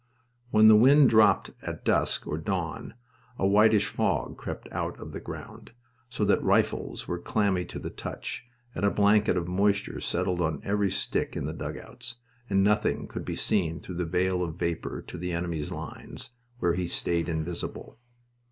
When the wind dropped at dusk or dawn a whitish fog crept out of the ground, so that rifles were clammy to the touch and a blanket of moisture settled on every stick in the dugouts, and nothing could be seen through the veil of vapor to the enemy's lines, where he stayed invisible.